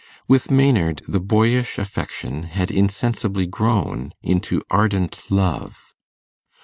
With Maynard the boyish affection had insensibly grown into ardent love.